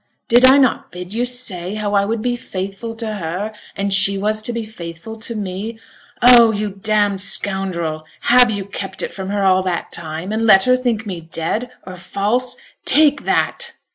Did I not bid you say how I would be faithful to her, and she was to be faithful to me? Oh! you damned scoundrel! have you kept it from her all that time, and let her think me dead, or false? Take that!'